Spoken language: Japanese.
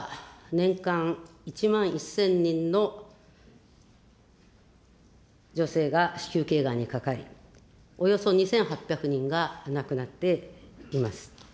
日本では年間１万１０００人の女性が子宮けいがんにかかり、およそ２８００人が亡くなっています。